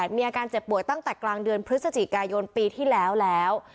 มีอาการเจ็บป่วยตั้งแต่กลางเดือนพฤศจิกายนปีที่แล้วแล้ว